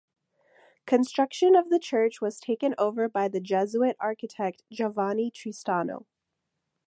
Construction of the church was taken over by the Jesuit architect Giovanni Tristano.